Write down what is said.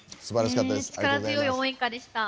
力強い応援歌でした。